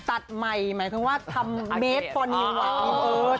ตัดใหม่หมายคือว่าทำเมสปอนิมไหวมาก